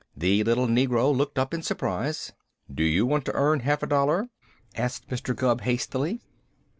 The little negro looked up in surprise. "Do you want to earn half a dollar?" asked Mr. Gubb hastily.